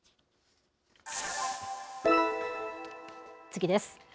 次です。